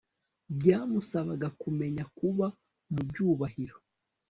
byamusabaga kumenya kuba mu byubahiro